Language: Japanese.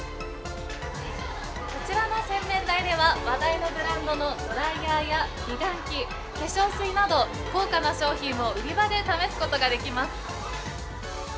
こちらの洗面台では、話題のブランドのドライヤーや美顔器、化粧水など、高価な商品を売り場で試すことができます。